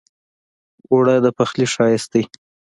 اوړه د پخلي ښايست دی